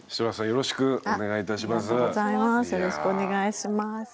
よろしくお願いします。